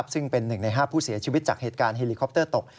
ซึ่งเป็น๑ใน๕ผู้เสียชีวิตจากเหตุการณ์เฮลิคอปเตอร์ตก